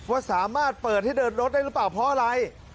ว่าสามารถเปิดให้เดินรถได้หรือเปล่าเพราะอะไร